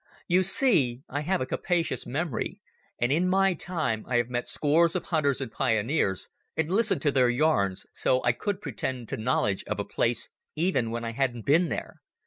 You see I have a capacious memory, and in my time I had met scores of hunters and pioneers and listened to their yarns, so I could pretend to knowledge of a place even when I hadn't been there.